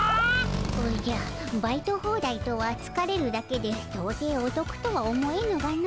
おじゃバイトホーダイとはつかれるだけでとうていおとくとは思えぬがの。